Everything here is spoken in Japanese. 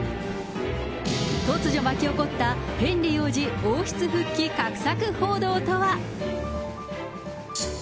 突如巻き起こったヘンリー王子王室復帰画策報道とは。